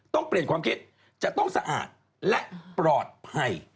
ต้องเปลี่ยนความคิดจะต้องสะอาดและปลอดภัย